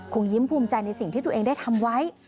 ยิ้มภูมิใจในสิ่งที่ตัวเองได้ทำไว้